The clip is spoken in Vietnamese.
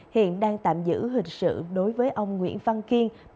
hiện đang tạm giữ hình sự đối với ông nguyễn văn kiên